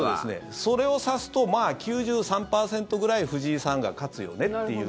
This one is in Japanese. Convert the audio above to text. それを指すと９３％ぐらい藤井さんが勝つよねという。